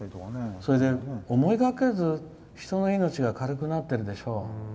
それで思いがけず人の命が軽くなってるでしょ。